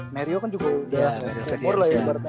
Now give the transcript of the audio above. merio kan juga udah berumur lah ya